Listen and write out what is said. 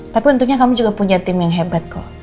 tapi tentunya kamu juga punya tim yang hebat kok